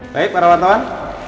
baik para wartawan